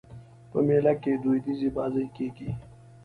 په مېله کښي دودیزي بازۍ کېږي.